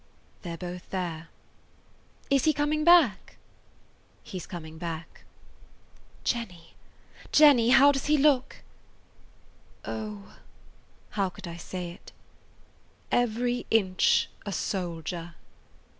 "They 're both there." "Is he coming back?" "He 's coming back." [Page 185] "Jenny! Jenny! How does he look?" "Oh,"–how could I say it,–"every inch a soldier."